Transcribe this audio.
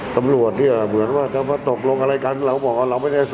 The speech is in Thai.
ตำรวจเนี่ยเหมือนว่าจะมาตกลงอะไรกันเราบอกว่าเราไม่ได้